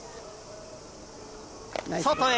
外へ！